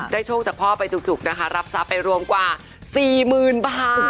ได้โชคจากพ่อไปจุกรับทราบไปรวมกว่า๔๐๐๐๐บาท